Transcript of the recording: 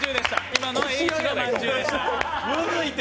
今のはＨのまんじゅうでした。